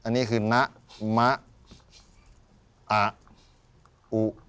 อันนี้คือนะมะอาอุ